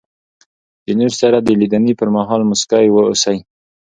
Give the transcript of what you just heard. د نور سره د لیدني پر مهال مسکی واوسئ.